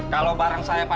kamu pergi aja